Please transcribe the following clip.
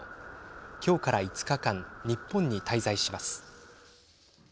今日から５日間日本に滞在します。